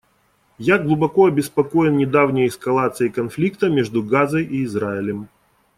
Я глубоко обеспокоен недавней эскалацией конфликта между Газой и Израилем.